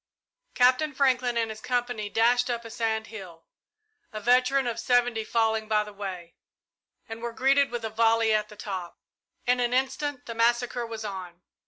Captain Franklin and his company dashed up a sand hill, a veteran of seventy falling by the way, and were greeted with a volley at the top. In an instant the massacre was on.